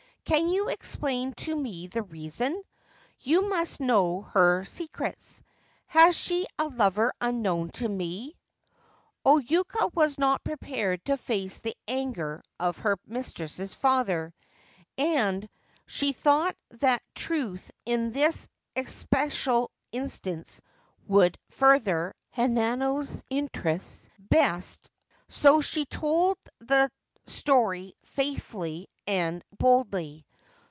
Can you explain to me the reason ? You must know her secrets. Has she a lover unknown to me ?' O Yuka was not prepared to face the anger of her mistress's father, and she thought that truth in this especial instance would further Hanano's interests best. So she told the story faithfully and boldly.